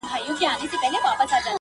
غاړه راکړه- خولگۍ راکړه- بس دی چوپ سه-